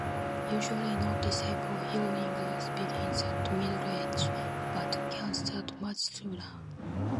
Usually noticeable hearing loss begins at middle-age, but can start much sooner.